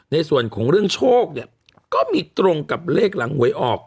ในส่วนของเรื่องโชคเนี่ยก็มีตรงกับเลขหลังหวยออก